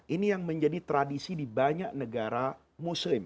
ini yang menjadi tradisi di banyak negara muslim